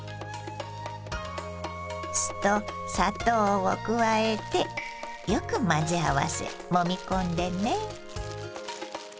酢と砂糖を加えてよく混ぜ合わせもみ込んでね。